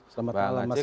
selamat malam mas indra